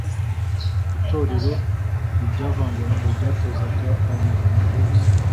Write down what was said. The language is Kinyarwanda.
itorero ntiryavanguraga ryatozaga abanyarwanda bose.